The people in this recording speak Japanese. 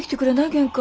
玄関。